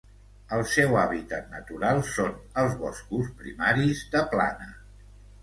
El seu hàbitat natural són els boscos primaris de plana.